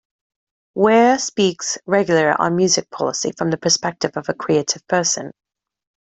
Ware speaks regularly on music policy from the perspective of a creative person.